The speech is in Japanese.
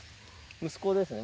息子ですね